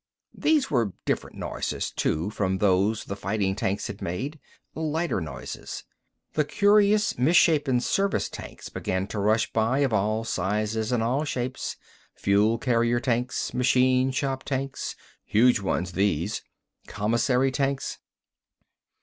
These were different noises, too, from those the fighting tanks had made. Lighter noises. The curious, misshapen service tanks began to rush by, of all sizes and all shapes. Fuel carrier tanks. Machine shop tanks, huge ones, these. Commissary tanks....